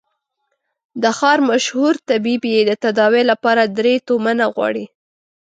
د ښار مشهور طبيب يې د تداوي له پاره درې تومنه غواړي.